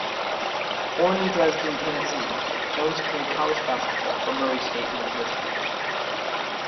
Born in Dresden, Tennessee, Jones played college basketball for Murray State University.